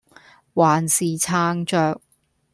還是撐著